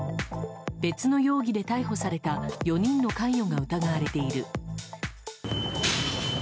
別の容疑で逮捕された４人の関与が疑われている。